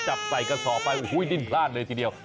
จับใส่กระสอบไปโอ้โหดิ้นพลาดเลยทีเดียว